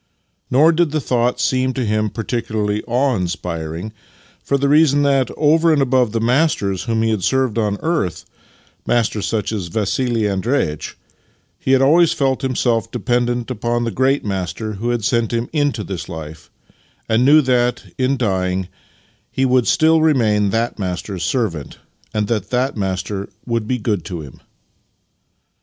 Nor did the thought seem to him particularly awe inspiring, for the reason that, over and above the masters whom he had served on earth — masters such as Vassili Andreitch — he had always felt himself dependent upon the Great Master who had sent him into this life, and knew that, in dying, he would still remain that Master's servant, and that that Master would be good to him.